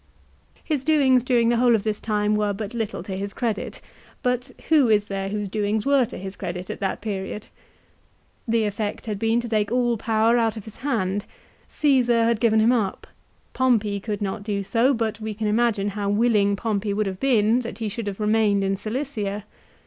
His doings during the whole of this time were but little to his credit ; but who is there whose doings were to his credit at that period ? The effect had been to take all power out of his hand. Caesar had given him up. Pompey could not do so, but we can imagine how willing Pompey would have been that he should have remained in Cilicia.